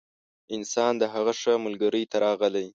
انسان د هغه ښه ملګري در ته راغلی